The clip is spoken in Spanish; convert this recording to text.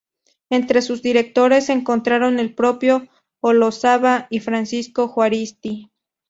Entre sus directores se encontraron el propio Olazábal y Francisco Juaristi.